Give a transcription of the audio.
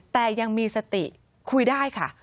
แต่ยังมีสติคุยได้ค่ะ